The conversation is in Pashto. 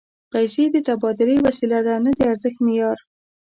پیسې د تبادلې وسیله ده، نه د ارزښت معیار